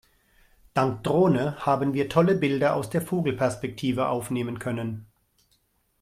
Dank Drohne haben wir tolle Bilder aus der Vogelperspektive aufnehmen können.